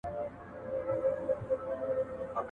بد به دي په زړه لرم، سلام به دي په خوله لرم.